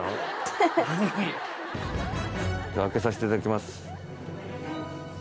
じゃあ開けさせていただきます。